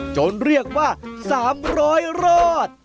จนเรียกว่าสามรอยรอด